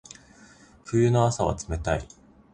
冬の朝は冷たい。